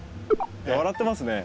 笑ってますね。